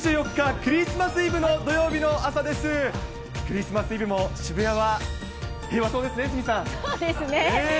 クリスマス・イブも渋谷は平和そうですね、鷲見さん。